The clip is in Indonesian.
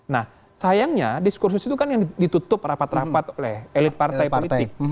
nah sayangnya diskursus itu kan yang ditutup rapat rapat oleh elit partai politik